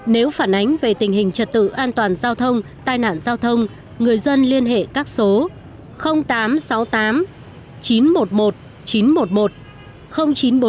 nếu phản ánh về tình hình trật tự an toàn giao thông tai nạn giao thông người dân liên hệ các số tám trăm sáu mươi tám chín trăm một mươi một chín trăm một mươi một chín trăm bốn mươi một ba trăm hai mươi chín sáu trăm ba mươi bốn chín trăm bảy mươi ba chín mươi năm tám trăm chín mươi sáu